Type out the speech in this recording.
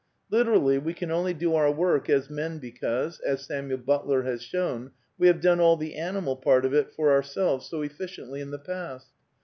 Literally, we can only do our work as men because, as i Samuel Butler has shown, we have done all the animaK part of it for ourselves so efficiently in the past.